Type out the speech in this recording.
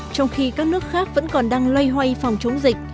trong khi các nước khác vẫn còn đang loay hoay phòng chống dịch